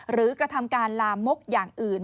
กระทำการลามกอย่างอื่น